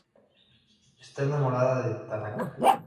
Esta enamorada de Tanaka.